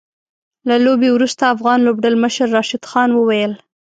له لوبې وروسته افغان لوبډلمشر راشد خان وويل